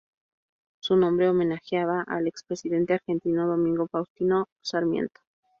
Su nombre homenajea al expresidente argentino Domingo Faustino Sarmiento.